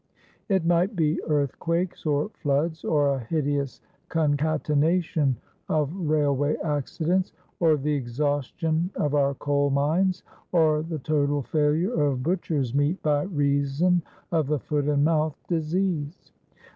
It might be earthquakes, or floods, or a hideous concatenation of railway accidents, or the exhaustion of our coal mines, or the total failure of butcher's meat by reason of the foot and mouth disease.